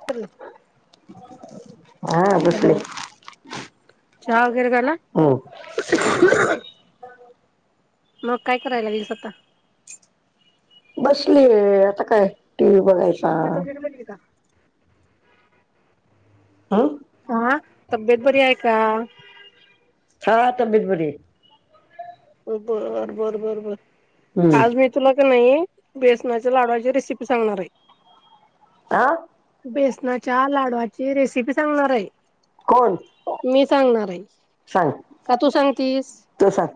[inaudible] [unintelligible] Hello बसले चहा वगैर झाला? हम्म मग काय करायलागलिस आता बसलीये आता काय टी. व्ही बघायचं तब्यत वगैरे बरी आहे का हम्म हा तब्येत बरी आहे का? हा तब्येत बरी आहे बर.. बर बर बर हम्म आज मी तुला कनि बेसनाच्या लाडवाची रेसिपी सांगणार आहे आ... बेसनाच्या लाडवाची रेसिपी सांगणार आहे कोण मी सांगणार आहे सांग का तू सांगतीस? तू सांग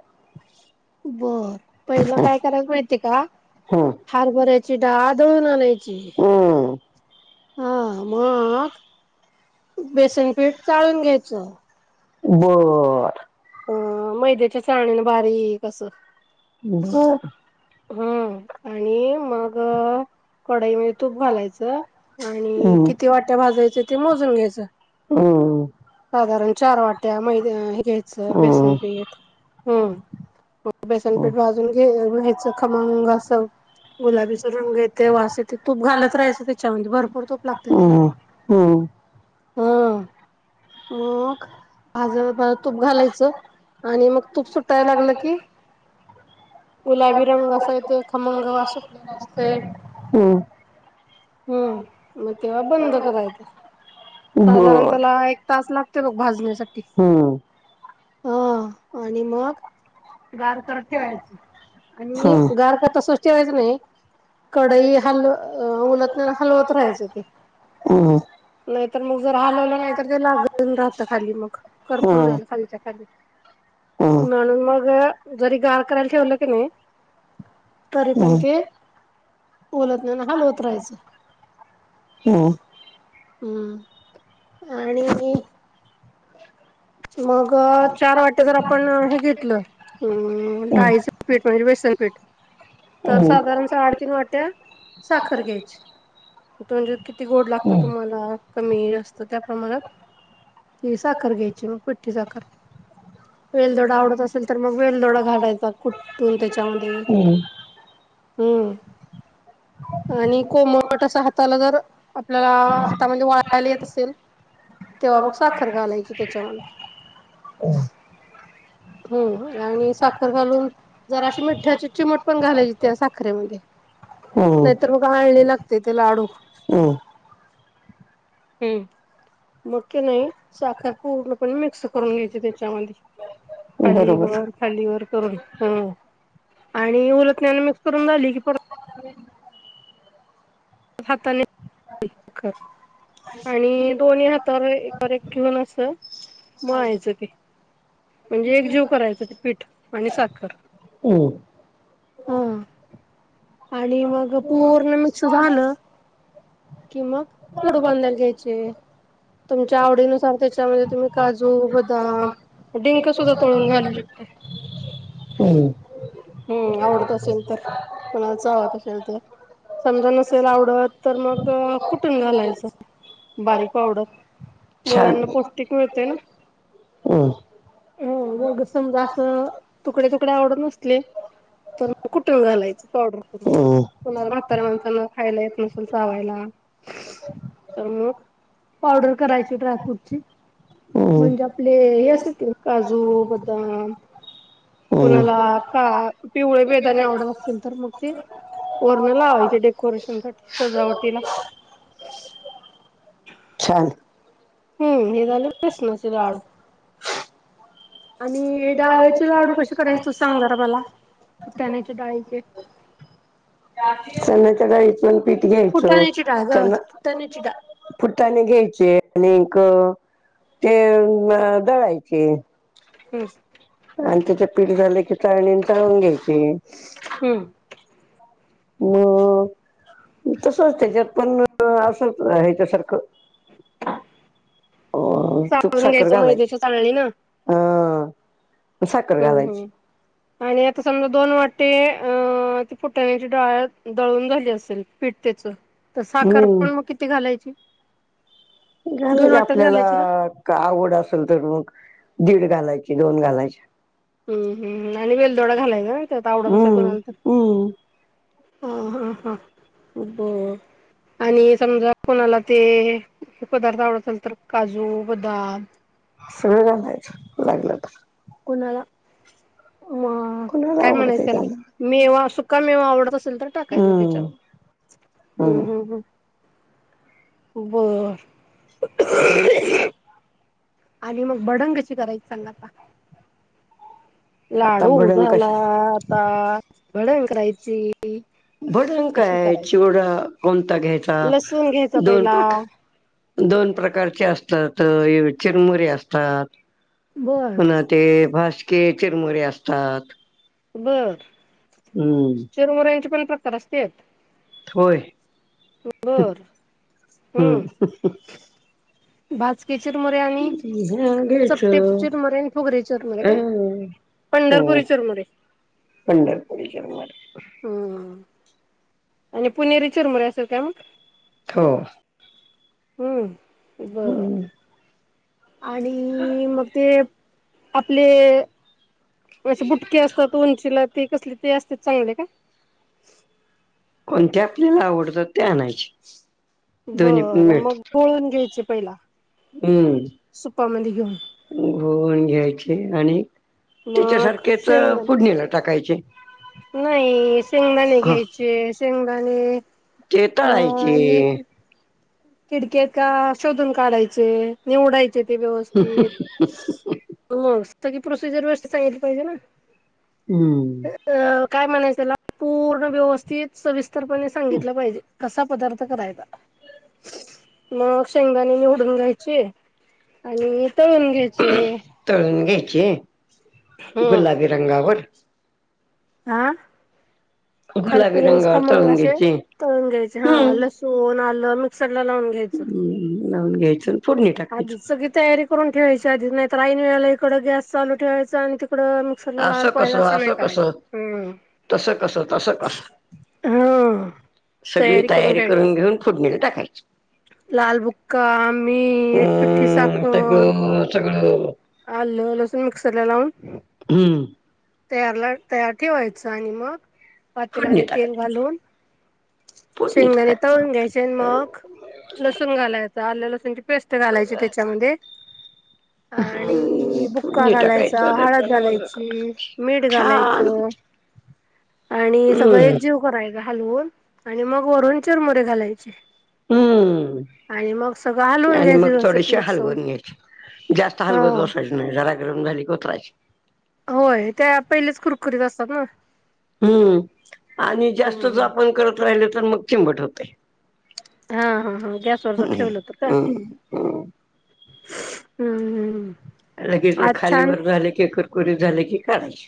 बर पहिलं काय करायला माहितीये का? हम्म हरभऱ्याची डाळ डळून आणायची हम्म हा मग बेसनपीठ चाळून घ्यायचं बर... अ मैद्याच्या चाळणीने बारीक अस बर.. हे मग अ.. कडाईमध्ये तूप घालायचं आणि हम्म किती वाट्या भाजायच ते मोजून घ्यायचं हो.. साधारण चार वाट्या मैदा हे घ्यायचं हम्म बेसनपीठ हम्म.. हम्म बेसनपीठ भाजून घ्यायचं खमंग अस गुलाबीचा रंग येतय वास येतय तूप घाल राहायचं त्याच्यामध्ये भरपर तूप लागतय हम्म हम्म हा मग भाज तूप घालायचं आणि मग तूप सुटायला लागलं की गुलाबी रंग असा येतोय खमंग वास सुटलेला असतोय हम्म हम्म मग तेव्हा बंद करायचं साधारण बर त्याला एक तास लागतोय बघ भाजण्यासाठी हम्म हा आणि मग गारकत ठेवायचं हा. आणि गार तर तसच ठेवायचं नाही कडई हलव उल्हतन्यानं हलवत राहायचं ते हम्म नायतर मग जर हलवलं नाय तर ते लागत राहत खाली मग करपून हम्म जाईल खालच्या खाली. हम्म. म्हणून मग जरी गार करायला ठेवलं की नाय तरी पण हम्म ते उलतण्यान हालवत राहायचं. हम्म हम्म आणि मग चार वाट्या जर आपण हे घेतलं अ डाळीच पीठ म्हणजे बेसन पीठ तर हम्म. साधारण साडे तीन वाट्या साखर घ्यायची म्हणजे किती गोड लागत तुम्हाला कमी असत त्या प्रमाणात ती साखर घ्यायची म पिट्टी साखर वेलदोडा आवडत हम्म असेल तर मग वेलदोडा घालायचा कुठून त्याच्यामध्ये हम्म. हूं आणि कोमट असं हाताला जर आपल्याला हातामध्ये वाळायला येत असेल तेव्हा मग साखर घालायची त्याच्या म हम्म आणि साखर घालून जराशी मिठाची चिमुट पण घालायची त्या साखरेमध्ये हम्म नायतर मग आळणी लागतेय ते लाडू. हम्म मग की नाय साखर पूर्णपणे मिक्स करून घ्यायची त्याच्यामध्ये. हम्म खाली बरोबर. वर खालीवर करून आणि हं उलतण्यानी मिक्स करून झाली की परत- [unintelligible] हाताने कर आणि दोन्ही हातावर एकावर एक घेऊन अस मळायचं ते म्हणजे एक जीव करायच ते पीठ आणि साखर हम् हा आणि मग पूर्ण मिक्स झालं कि मग लाडू बांधायला घ्यायचे. तुमच्या आवडीनुसार त्याच्यामध्ये तुम्ही काजू बदाम डिंक सुद्धा तळून घालू शकता [unintelligible] हम्म आवडत असेल तर कुणाला चावत असेल तर समजा नसेल आवडत तर मग कुठून घालायचं बारीक पावडर. मुलांना पौष्टिक मिळतय ना. हं हं मग समजा असं तुकडे तुकडे आवडत नसले तर कुटून घालायचं पावडर करून. हम्म कुणाला म्हाताऱ्या माणसाना खायला येत नसल चावायला. तर मग पावडर करायची ड्रायफ्रूटची. हम्म म्हणजे आपले हे असतात की नाय काजू बदाम कुणाला का पिवळे बेदाने आवडत असल तर मग ते वरण लावायचे डेकोरेशन साठी सजावटीला. छान हूं हे झालं बेसणाचे लाडू. आणि डाळ्याचे लाडू कसे करायचे तू सांग जरा मला फुटाण्याच्या डाळीचे चन्याच्या डाळीच पीठ घ्यायचं फुटाण्याची डाळ त्यांना गव्हाची फुटाण्याची डाळ फुट्टाने घ्यायचे आणिकं ते दळायचे. हम्म आणि त्याचे पीठ झाले की चाळणीन चाळून घ्यायचे. हम्म म तसच त्याच्यात पण असंचं हेच्यासारखं चाळून तुपसाखर घ्यायचं घालायची मैद्याच्या चाळणीनं ह हम्म हम्म. आणि आता समजा, दोन वाटे, अं फुटण्याची डाळ दळून झाली असेल, पिठतेच तर साखर पण म हम्म किती घालायची. दोन घालायचे वाट्यात आपल्याला घालायची का? आवड असेल तर मग दीड घालायची, दोन घालायच्या. हम्म हम्म, आणि वेलदोडा घालाय ना त्यात, आवडत असेल हम्म कोणाल तर. हम्म ह हां हां ब आणि समजा, कोणाला ते पदार्थ आवडत असल तर, काजू, बदाम, सगळं घालायचं, लागलं तर. कुणाला, म कोणाला काय म्हणायचं आवडतंय त्याला, मेवा सुका, मेवा आवडत असेल तर, टाकायचं त्याच्या हम्म मध्ये, हम्म हम्म हम्म. बर. आणि मग भडंग कशी करायची सांगाल का? आता लाडू भडंग झाला, कशा आता भडग करायची. भडण कशी काय? करायची चिवडा कोणता घ्यायचा, लसूण घ्यायचा दोन पहिला प्रकार दोन प्रकारचे असतात, चिरमुरे असतात, बर पुन्हा ते भाासके चिरमुरे असतात. बरं. हम्म. चीरमुर यांचे पण प्रकार असते. होय. बर हम्म, भाजके चीर मुरे आन ह्या सत्ते घ्यायचं चिरमुरे आणि फोगरी चिरमुरे काय? हं. हो पंढरपुरी चुरमुरे. पंढरपुरी चुरमुरे. हम्म हम्म हम्म. आणि पुणेरी चुरमुरे असेल काय मग. हो. हम्म बर. हम्म. आणि मग ते, आपले अे बुटके असतात उंचीला ते कसले, ते असते चांगले का? कोणते आपल्याला आवडतं ते आणायचे. दोन्ही पण बर, मग मिळतात घोळून घ्यायचे पहिला, सुपामध्ये घेऊन. घोळून घ्यायचे, आणि मग त्याच्यासारखेच शेंगदाणे फोडणीला टाकायचे. नाही, शेंगदाणे घ्यायचे, शेंगदाणे तेेत अ आहे की किडके का शोधून काढायचे, निवडायचे ते व्यवस्थित, हो सगळी प्रोसिजर, व्यवस्थीत सांगितली पाहिजे ना. हम्म. अ काय म्हणायचं त्याला, पूर्ण व्यवस्थित, सविस्तरपणे सांगितलं पाहिजे. कसा पदार्थ करायचा. मग शेंगदाणे निवडून घायचे, आणि तळून घ्यायचे, तळून घ्यायची, गुलाबी हम्म रंगावर आ. गुलाबी खरपूस रंगावर खमंग तळून असे घ्यायचे तळून घ्यायचे, हा हम्म लसूण, आलं मिक्सर ला लावून घ्यायचं. हम्म, लावून घ्यायचं. फोडणी आधीच टाकायचं सगळी तयारी करून ठेवायची आधीच, नाहीतर ऐन वेळेला इकडं गॅस चालू ठेवायचं, आणि तिकडं मिक्सरला लावायला असं पाहिजे कसं, नाही असं कस, करायचं हम्म तस कस, तसं कस. हा सगळी तयारी करून घेऊन, फोडणीला टाकायची. लालबुक्का, मीठ, पिठ्ठी साखर, हो सगळं. आलं लसून मिक्सर ला लावून. हम्म. तयारला तयार ठेवायचं आणि मग फोडणी पातीलामध्ये तेल टाकायची घालून, फोडणी शेंगदाणे टाकायचं तळून घ्यायचे. चेन मग लसूण घालायचं, आल्या लसूणची पेस्ट घालायची त्याच्यामध्ये हम्म आणि बुक्का फोडणी घालायचा, टाकायचं हळद त्याच्यानं मग घालायची मीठ छान घालायचं. आणि सगळं एक हम्म जीव. कराय हालवून आणि मग वरून चिरमुरे घालायचे. हम्म आणि मग सगळं हालवून आणि मग घ्यायचे, सगळं थोडेसे मिक्सळुन. हलवून जास्त हलवत बसायचं नाही. जरा गहून झाली कोतराच होय त्या पहिलेच कुरकुरीत असतात ना. हम्म आणि हम्म जास्तच हम्म. आपण करत, राहिले तर मग चिंबट होते. हा हा हा गॅस वरच ठेवलं होत का? हम्म हम्म हम्. लगेच व खालीवर झाले, की कुरकुरीत झाले की काढायचे.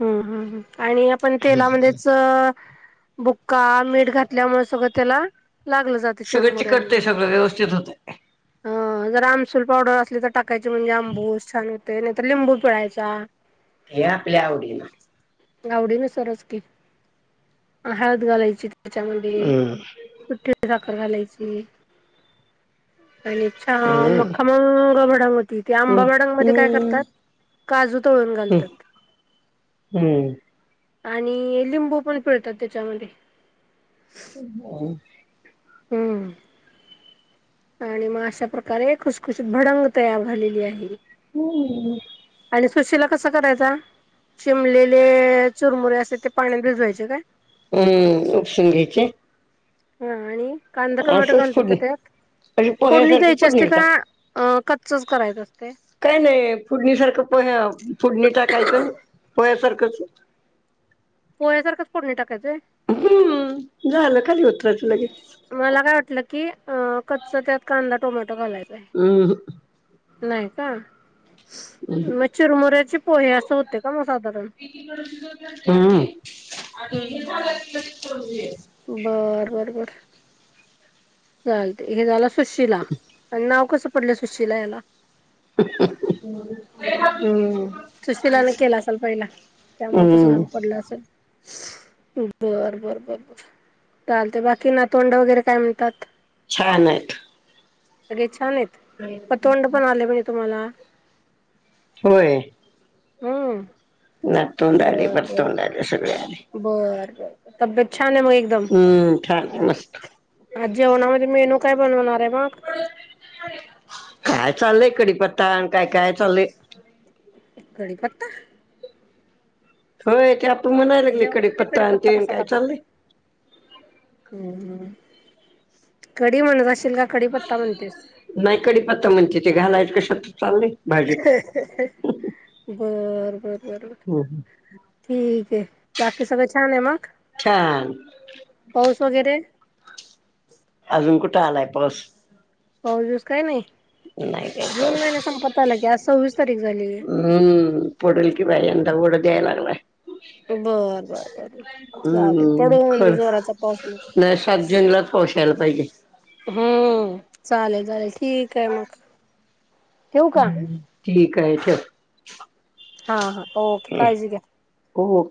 हम्म हम् आणि आपण तेलामध्येच. बुक्का मीठ घातल्यामुळे, सगळं त्याला लागलं जातं. सगळे चिकटते सगळं, व्यवस्थित होत. अ जर आमसूल पावडर असली तर टाकायची म्हणजे, आंबूस छान होते नाहीतर लिंबू पिळायचा. हे आपल्या आवडीला आवडी न सरच की हळद घालायची, त्याच्या म कुठे साखर घालायची. आणि छान मख हम्म खमंग भडांग होती, ते आंबा भडांगमध्येध्ये काय करतात. काजू तळून घालतात. हम्म. आणि लिंबू पण पिळतात त्याच्यामध्ये. हो. हम्म. आणि मग अशा प्रकारे खुसखुशीत, भडंग तयार झालेली आहे. हम्. आणि सुशला कस करायचा. शिमलेले चुरमुरे असे ते पाण्यात भिजवायचे काय. हम्म उपसंगीचे. हा आणि कांदा टोमॅटो असंच घालतात, फोडणी त्या त्यात अशी फोडणी पोह्यासारखी द्यायची असते फोडणीला का. टाक. अ कच्चच करायचं असते. काय नाही फुडणीसारखं पोह्या, फुडणी टाकायचं पोह्यासारखंच. पोयासारखच प कोडणी टाकायचंय. हम्म झालं काध उतराचं लगेच. मला काय वाटलं की कच्च, त्यात कांदा टोमॅटो घालायचा. आहे हम्. नाही का मग हम्म चिरमुऱ्याचे पोहे असं, होते का मग साधारण. हम्म हम. बर बर बर..... ! चालते हे झालं, सुशिला आणि नाव कसं पडलं सुशिला याला? [inaudible] हम्म सुशिलाने केला असाल, पहिला त्यामुळे तसं हम्म नाव पडलं असेल. बर बर बर बर. चालते बाकी ना, तोंड वगैरे काय म्हणतात. छ नात. सगळे छान आहेत पतोंड, पण आले म्हणजे तुम्हाला. होय. हम. नातवंड आली, पतवांड आले, सगळे आले. बर बर तब्येत छान आहे म. हम्म छान ये मस्त. आ जेवणामध्ये मेनू काय बनवणार आहे मग. काय चाललंय, कडीपत्ता आणि काय काय चाललंय. कडीपत्ता? होय ते आपण म्हणायला लागली कडीपत्ता आण ते काय चाललंय हम्म हम्म कडीम्हणत असशेल का कडीपत्ता म्हणतेस. नाही कडी पत्ता म्हणते ते घालायच कशातत चालले. बर बर बरर. हम्म, हम्म. ठीक आहे बाकी सगळे छान आहे मग. छान. पाऊस वगैरे. अजून कुठ आला आहे पाऊस. पाऊस पीस काय नाही नाही काय जून पाऊस महिन्या संपता आला की आज सव्वीस तारीख झाली आहे. हम्म पडील की बाय यंदा वड द्याय लागलंय बर बर बर चालेल पडू होउदे जोराचा पाऊस मग. नाय सात जून लाच पाऊस यायला पाहिजे. हम्म चाले चालेल ठीक. आहे मग ठेवू का हम्म ठीक आहे च. हा हा ओके काळजी घ्या. हो.